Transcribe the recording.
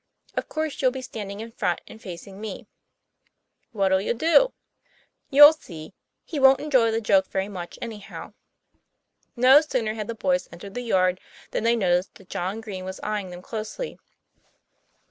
Of course you'll be standing in front and facing me." "What' 11 you do?" 'You'll see. He wont enjoy the joke very much anyhow." No sooner had the boys entered the yard, than they noticed that John Green was eyeing them closely.